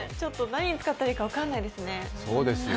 何に使ったらいいか分からないですね。